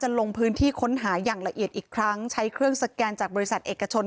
ลงพื้นที่ค้นหาอย่างละเอียดอีกครั้งใช้เครื่องสแกนจากบริษัทเอกชน